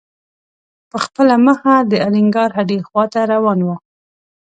په خپله مخه د الینګار هډې خواته روان و.